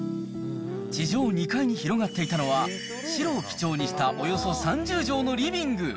地上２階に広がっていたのは、白を基調にしたおよそ３０畳のリビング。